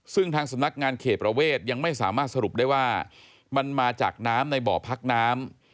ซึ่งทางสำนักงานเขตประเวทยังไม่สามารถสรุปได้ว่ามันมาจากน้ำในบ่อพักน้ำ